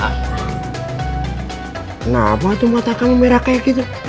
kenapa tuh mata kami merah kayak gitu